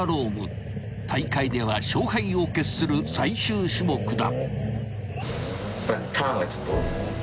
［大会では勝敗を決する最終種目だ］